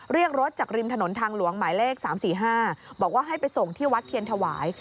เรียกรถจากริมถนนทางหลวงหมายเลข๓๔๕บอกว่าให้ไปส่งที่วัดเทียนถวาย